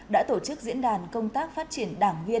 đã tổ chức diễn đàn công tác phát triển